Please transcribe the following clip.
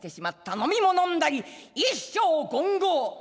飲みも飲んだり一升五合。